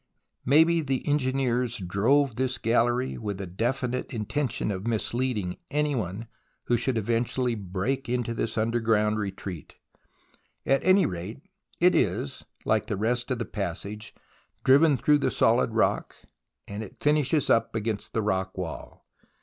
Maybe the engineers drove this gallery with the definite intention of misleading any one who should eventually break a way into this under ground retreat. At any rate, it is, like the rest of the passage, driven through the solid rock, and finishes up against the rock wall.